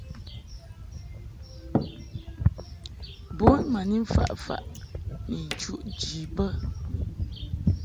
Bun ma ni mfaʼ faʼ ni nchuʼ ji bə.